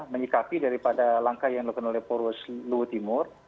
menyikapi daripada langkah yang dilakukan oleh poldas lutimur